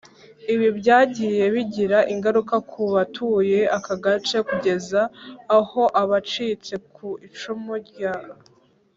Ibi byagiye bigira ingaruka ku batuye aka gace kugeza aho abacitse ku icumu rya